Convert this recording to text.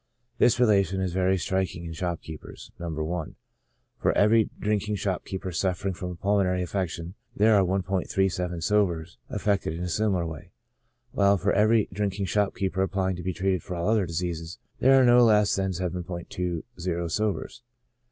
This relation is very striking in shopkeepers (No. i.) For every drinking shopkeeper suffering from a pulmonary affection, there are 1*37 sobers affected in a similar way ; while for every drinking shopkeeper applying to be treated for all other diseases, there are no less than 7*20 sobers.